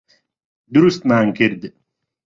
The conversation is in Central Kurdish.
دروستمان کرد.